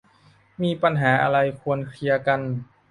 มีปัญหาอะไรควรเคลียร์กัน